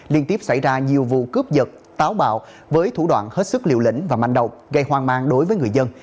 liên tiếp xảy ra nhiều vụ cướp giật táo bạo với thủ đoạn hết sức liều lĩnh và manh động gây hoang mang đối với người dân